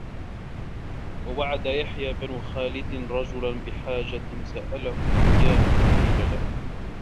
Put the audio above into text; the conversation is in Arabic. وَوَعَدَ يَحْيَى بْنُ خَالِدٍ رَجُلًا بِحَاجَةٍ سَأَلَهُ إيَّاهَا فَقِيلَ لَهُ